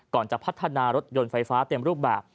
ก่อนจะพัฒนารถยนต์ไฟฟ้าเต็มรูปแบบ